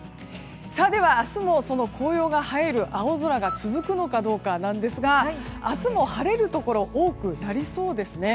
では、明日もその紅葉が映える青空が続くのかどうかなんですが明日も晴れるところ多くなりそうですね。